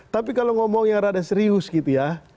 tapi kalau ngomong yang rada serius gitu ya